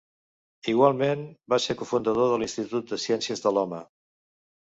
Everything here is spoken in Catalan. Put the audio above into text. Igualment va ser cofundador de l'Institut de Ciències de l'Home.